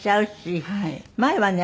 前はね